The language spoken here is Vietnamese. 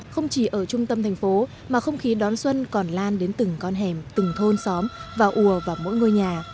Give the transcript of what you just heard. không chỉ ở trung tâm thành phố mà không khí đón xuân còn lan đến từng con hẻm từng thôn xóm và ùa vào mỗi ngôi nhà